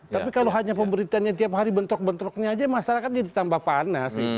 tapi kalau hanya pemberitanya bentrok bentroknya saja masyarakatnya ditambah panas